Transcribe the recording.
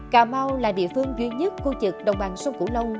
cà mau là địa phương duy nhất khu trực đồng bằng sông củ lông